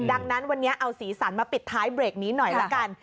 ดังนั้นวันนี้เอาสีสันมาปิดท้ายเบรกนี้หน่อยละกัน